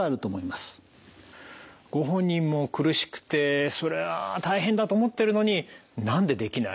ご本人も苦しくてそれは大変だと思ってるのに「なんでできない？」